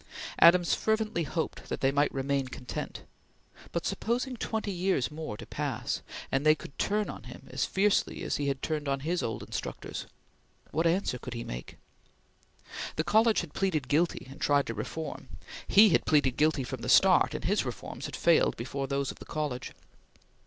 Adams fervently hoped that they might remain content; but supposing twenty years more to pass, and they should turn on him as fiercely as he had turned on his old instructors what answer could he make? The college had pleaded guilty, and tried to reform. He had pleaded guilty from the start, and his reforms had failed before those of the college.